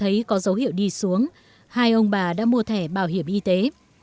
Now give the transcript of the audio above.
hai ông bà đã mua thẻ bảo hiểm y tế